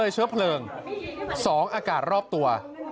เชื้อเพลิง๒อากาศรอบตัว